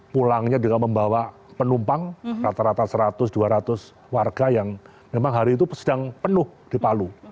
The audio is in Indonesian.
pulangnya dengan membawa penumpang rata rata seratus dua ratus warga yang memang hari itu sedang penuh di palu